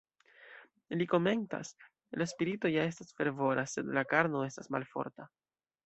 Li komentas: "La spirito ja estas fervora, sed la karno estas malforta".